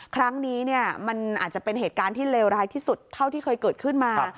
ครั้งนี้มันอาจจะเป็นเหตุการณ์ที่เลวร้ายที่สุดเท่าที่เคยเกิดขึ้นมา